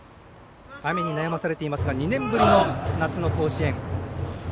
雨に悩まされていますが２年ぶりの夏の甲子園。